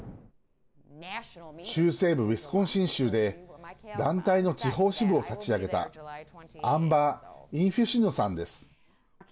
中西部ウィスコンシン州で団体の地方支部を立ち上げたアンバー・インフュシノさんです。